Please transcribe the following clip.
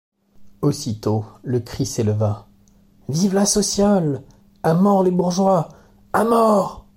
Aussitôt, le cri s’éleva: — Vive la sociale! à mort les bourgeois ! à mort !